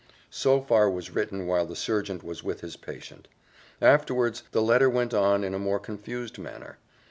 So far was written while the surgeon was with his patient. Afterwards, the letter went on in a more confused manner.